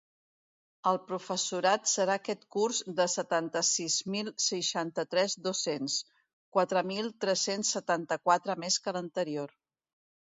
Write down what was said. El professorat serà aquest curs de setanta-sis mil seixanta-tres docents, quatre mil tres-cents setanta-quatre més que l’anterior.